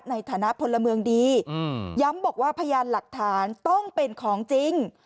ในฐานะพลเมืองดีย้ำบอกว่าพยานหลักฐานต้องเป็นของจริง